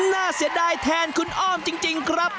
น่าเสียดายแทนคุณอ้อมจริงครับ